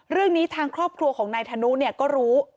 เรื่องนี้ทางครอบครัวของนายธนุเนี่ยก็รู้